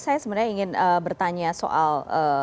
saya sebenarnya ingin bertanya soal